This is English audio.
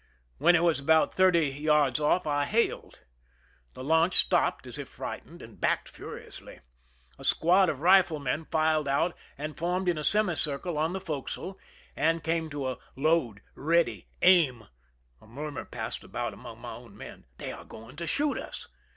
When it was about thirty yards off I hailed. The launch stopped as if frightened, and backed furi ously. A squad of riflemen filed out, and formed in a semicircle on the forecastle, and came to a " load," " ready," " aim." A murmur passed about among my men :" They are going to shoot us."